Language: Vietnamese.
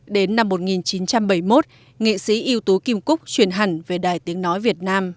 đến năm một nghìn chín trăm bảy mươi một nghệ sĩ ưu tú kim cúc chuyển hành về đài tiếng nói